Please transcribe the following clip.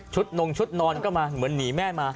นงชุดนอนก็มาเหมือนหนีแม่มา